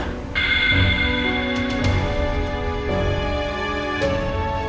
sebenarnya kamu tuh sudah menolak dia